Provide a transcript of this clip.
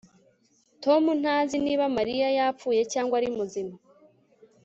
Tom ntazi niba Mariya yapfuye cyangwa ari muzima